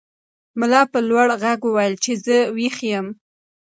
ملا په لوړ غږ وویل چې زه ویښ یم.